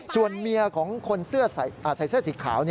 ส่วนเมียของคนใส่เสื้อสีขาว